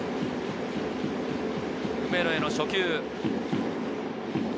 梅野への初球。